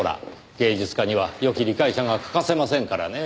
芸術家にはよき理解者が欠かせませんからねぇ。